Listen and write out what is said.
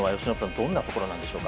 どんなところなんでしょうか。